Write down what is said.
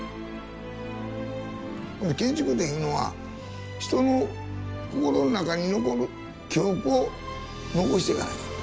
建築っていうのは人の心の中に残る記憶を残していかなあかん。